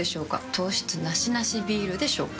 糖質ナシナシビールでしょうか？